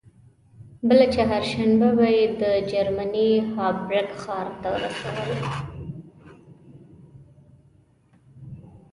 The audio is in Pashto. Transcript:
بله چهارشنبه به یې د جرمني هامبورګ ښار ته رسول.